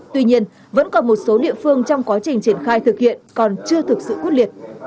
tuy nhiên vẫn còn một số địa phương trong quá trình triển khai thực hiện còn chưa thực sự quyết liệt